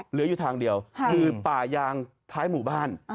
เหลืออยู่ทางเดียวคือป่ายางท้ายหมู่บ้าน